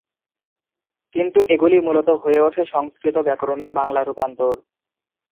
কিন্তু এগুলি মূলত হয়ে ওঠে সংস্কৃত ব্যাকরণের বাংলা রূপান্তর।